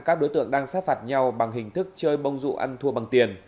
các đối tượng đang sát phạt nhau bằng hình thức chơi bông rụ ăn thua bằng tiền